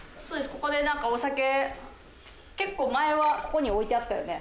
ここでなんかお酒結構前はここに置いてあったよね